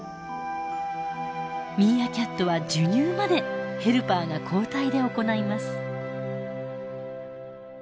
ミーアキャットは授乳までヘルパーが交代で行います。